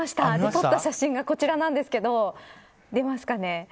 撮った写真がこちらなんですが見えますかね。